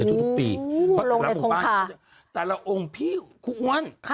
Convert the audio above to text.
ในทุกปีเพราะล้างหมู่บ้านแต่ละองค์พี่คุณอ้วน